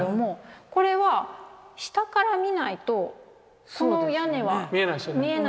これは下から見ないとその屋根は見えないですね。